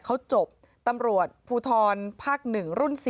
เขาจบตำรวจภูทรภาค๑รุ่น๔